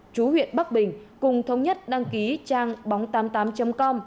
chú huyện bắc bình cùng thống nhất đăng ký trang bóng tám mươi tám com